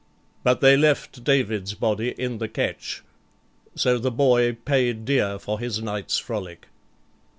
But they left David's body in the ketch, so the boy paid dear for his night's frolic.